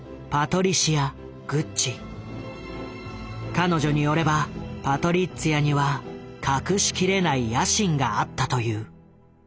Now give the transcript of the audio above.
彼女によればパトリッツィアには隠し切れない野心があったという。